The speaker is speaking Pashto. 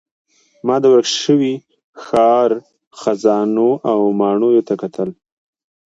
ما د ورک شوي ښار خزانو او ماڼیو ته کتل.